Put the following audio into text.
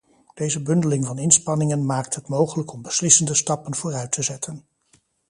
Deze bundeling van inspanningen maakt het mogelijk om beslissende stappen vooruit te zetten.